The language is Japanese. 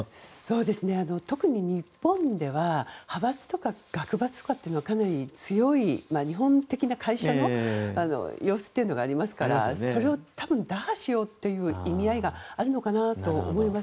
特に日本では派閥とか学閥とかがかなり強い日本的な会社の様子がありますからそれを打破しようという意味合いがあるのかと思います。